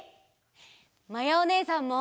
まやおねえさんも。